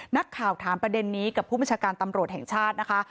นักข่าวถามประเด็นนี้กับผู้บัญชาการตำรวจแห่งชาตินะคะ